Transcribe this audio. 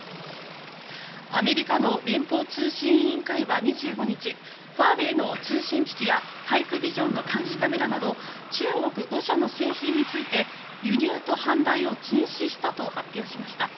アメリカの連邦通信委員会は２５日ファーウェイの通信機器やハイクビジョンの監視カメラなど中国５社の製品について輸入と販売を禁止したと発表しました。